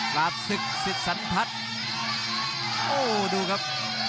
กราบศึกศิษย์สันพัฒน์โอ้ดูครับ